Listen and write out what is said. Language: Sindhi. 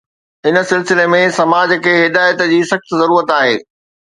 ان سلسلي ۾ سماج کي هدايت جي سخت ضرورت آهي.